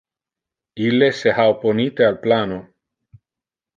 Ille se ha opponite al plano.